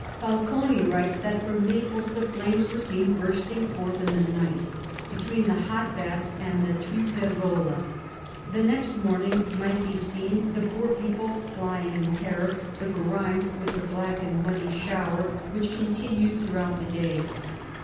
Falconi writes that from Naples the flames were seen, bursting forth in the night, between the hot baths and Tripergola. The next morning might be seen the poor people flying in terror, begrimed with the black and muddy shower, which continued throughout the day.